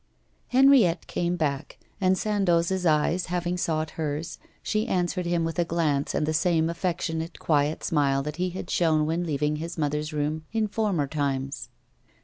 Henriette came back, and Sandoz's eyes having sought hers, she answered him with a glance and the same affectionate, quiet smile that he had shown when leaving his mother's room in former times.